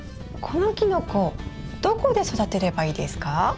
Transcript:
このキノコどこで育てればいいですか？